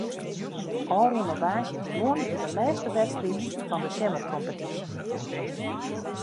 Ofrûne woansdeitejûn wie de lêste wedstriid fan de simmerkompetysje.